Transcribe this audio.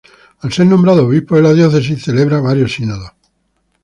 Al ser nombrado obispo de la diócesis, celebra varios sínodos.